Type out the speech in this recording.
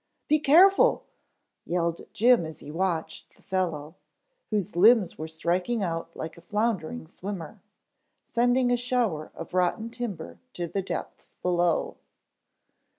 "Be careful," yelled Jim as he watched the fellow, whose limbs were striking out like a floundering swimmer, sending a shower of rotten timber to the depths below.